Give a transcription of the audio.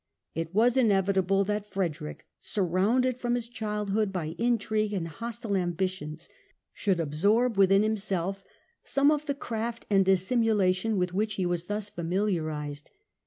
It was inevitable that Frederick, surrounded from his childhood by intrigues and hostile ambitions, should absorb within himself some of the craft and dissimulation with which he was thus familiarised.